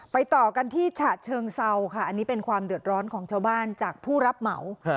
ต่อกันที่ฉะเชิงเซาค่ะอันนี้เป็นความเดือดร้อนของชาวบ้านจากผู้รับเหมา